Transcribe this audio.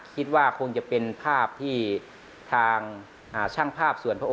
คิดว่าคงจะเป็นภาพที่ทางช่างภาพส่วนพระองค์